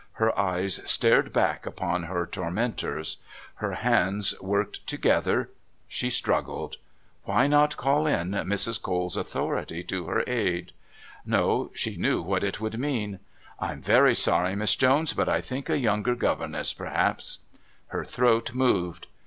Her eyes stared back upon her tormentors. Her hands worked together. She struggled. Why not call in Mrs. Cole's authority to her aid? No; she knew what it would mean "I'm very sorry, Miss Jones, but I think a younger governess, perhaps " Her throat moved.